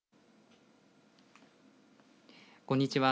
こんにちは。